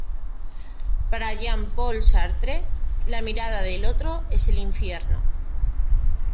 Para Jean Paul Sartre, la mirada del otro es el infierno.